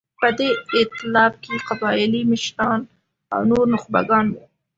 په دې اېتلاف کې قبایلي مشران او نور نخبګان وو.